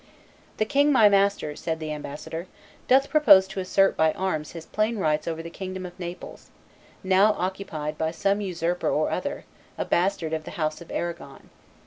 "The king my master," said the ambassador, "doth propose to assert by arms his plain rights over the kingdom of Naples, now occupied by some usurper or other, a bastard of the house of Arragon.